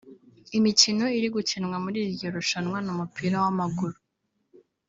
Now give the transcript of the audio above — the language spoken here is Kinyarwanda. Imikino iri gukinwa muri iryo rushanwa ni umupira w’amaguru